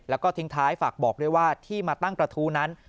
แล้วก็ทิ้งท้ายฝากบอกด้วยว่าที่มาตั้งกระทู้นั้น